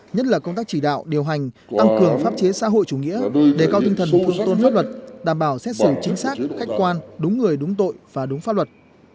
nhất là công tác chỉ đạo điều hành tăng cường pháp chế xã hội chủ nghĩa đề cao tinh thần bộ thượng tôn pháp luật đảm bảo xét xử chính xác khách quan đúng người đúng tội và đúng pháp luật